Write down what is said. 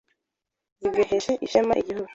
zigeheshe isheme Igihugu.